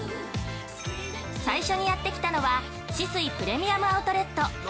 最初にやってきたのは酒々井プレミアム・アウトレット。